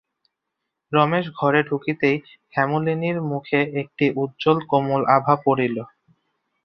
রমেশ ঘরে ঢুকিতেই হেমনলিনীর মুখে একটি উজ্জ্বল-কোমল আভা পড়িল।